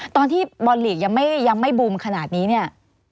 ตอนที่บอลลีกยังไม่บูมขนาดนี้เนี่ย